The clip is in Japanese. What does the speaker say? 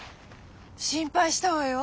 心配したわよ。